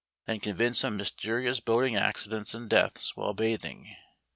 Then conceive some mysterious boating accidents and deaths while bathing.